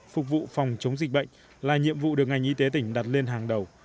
phục vụ phòng chống dịch bệnh là nhiệm vụ được ngành y tế tỉnh đặt lên hàng đầu